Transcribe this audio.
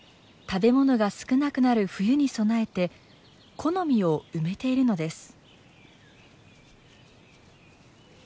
食べ物が少なくなる冬に備えて木の実を埋めているのです。